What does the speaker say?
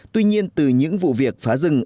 tuy nhiên từ những vụ việc phá rừng